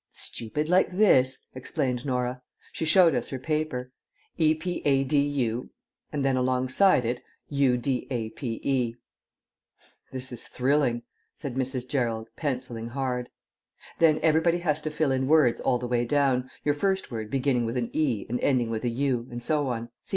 "Stupid like this," explained Norah. She showed us her paper. E U P D A A D P U E "This is thrilling," said Mrs. Gerald, pencilling hard. "Then everybody has to fill in words all the way down, your first word beginning with 'e' and ending with 'u,' and so on.